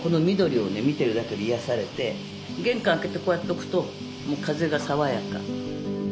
見てるだけで癒やされて玄関開けてこうやっておくと風が爽やか。